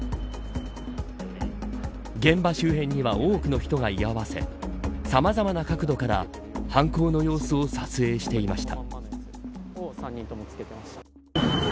現場周辺には多くの人が居合わせさまざまな角度から犯行の様子を撮影していました。